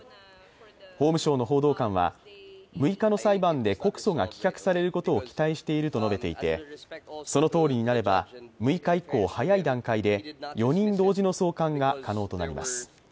法務省の報道官は、６日の裁判で告訴が棄却されることを期待していると述べていて、そのとおりになれば６日以降早い段階で、４人同時の送還が可能となります。